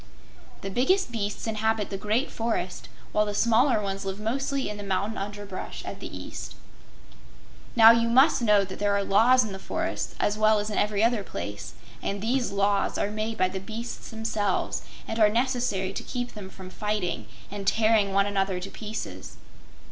The biggest beasts inhabit the great forest, while the smaller ones live mostly in the mountain underbrush at the east. Now, you must know that there are laws in the forests, as well as in every other place, and these laws are made by the beasts themselves, and are necessary to keep them from fighting and tearing one another to pieces.